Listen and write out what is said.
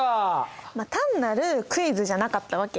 まあ単なるクイズじゃなかったわけ。